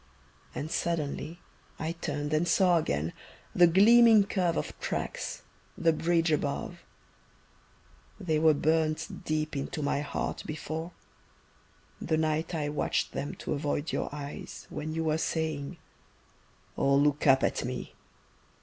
And suddenly I turned and saw again The gleaming curve of tracks, the bridge above They were burned deep into my heart before, The night I watched them to avoid your eyes, When you were saying, "Oh, look up at me!"